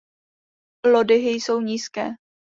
Lodyhy jsou nízké.